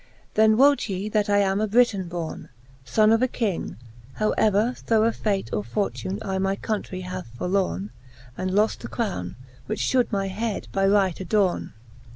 Then wote ye, that I am a Briton borne, Sonne of a King, how ever thorough fate Or fortune I my countrie have forlorne, And loft the crowne, which Ihould my head by right adorne.